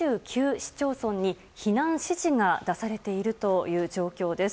市町村に避難指示が出されているという状況です。